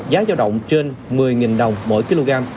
giá giao động trên một mươi đồng mỗi kg